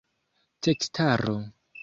tekstaro